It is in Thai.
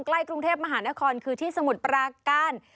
ใกล้กรุงเทพมหานครคือที่สมุทรปราการ